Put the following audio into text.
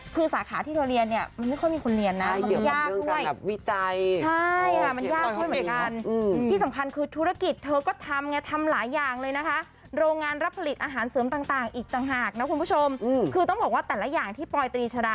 คือสาขาที่เราเรียนเนี่ยมันไม่ค่อยมีคนเรียนนะ